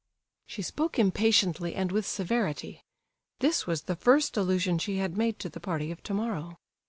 She spoke impatiently and with severity; this was the first allusion she had made to the party of tomorrow.